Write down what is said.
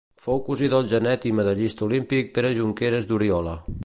Fou cosí del genet i medallista olímpic Pere Jonqueres d'Oriola.